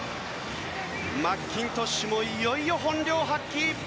マッキントッシュもいよいよ本領発揮。